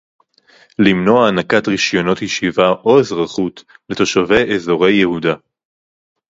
למנוע הענקת רשיונות ישיבה או אזרחות לתושבי אזורי יהודה